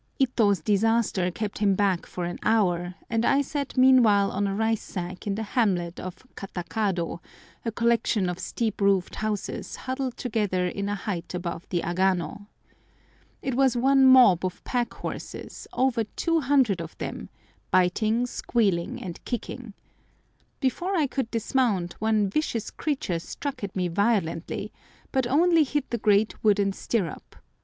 Ito's disaster kept him back for an hour, and I sat meanwhile on a rice sack in the hamlet of Katakado, a collection of steep roofed houses huddled together in a height above the Agano. It was one mob of pack horses, over 200 of them, biting, squealing, and kicking. Before I could dismount, one vicious creature struck at me violently, but only hit the great wooden stirrup.